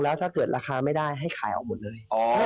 แล้วถ้าเกิดราคาไม่ได้ให้ขายออกหมดเลย